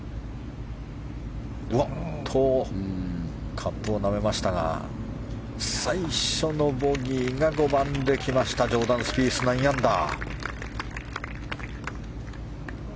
カップをなめましたが最初のボギーが５番できましたジョーダン・スピース９アンダー。